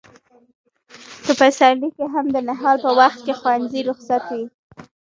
په پسرلي کې هم د نهال په وخت کې ښوونځي رخصت وي.